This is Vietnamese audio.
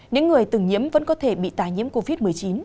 những người từng nhiễm vẫn có thể bị tài nhiễm covid một mươi chín